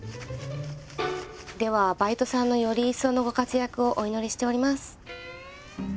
ではバイトさんのより一層のご活躍をお祈りしております。